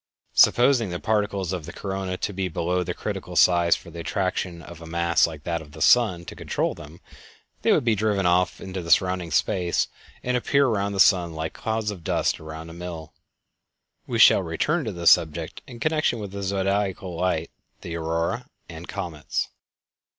Supposing the particles of the corona to be below the critical size for the attraction of a mass like that of the sun to control them, they would be driven off into the surrounding space and appear around the sun like the clouds of dust around a mill. We shall return to this subject in connection with the Zodiacal Light, the Aurora, and Comets.